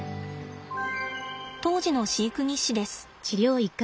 当時の飼育日誌です。